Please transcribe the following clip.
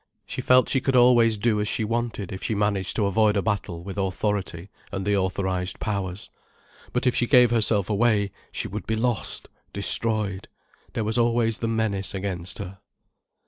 She felt she could always do as she wanted if she managed to avoid a battle with Authority and the authorised Powers. But if she gave herself away, she would be lost, destroyed. There was always the menace against her.